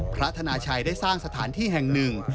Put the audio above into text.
พระธนาชัยได้สร้างสถานที่แห่งหนึ่ง